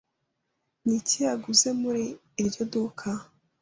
Ni iki yaguze muri iryo duka?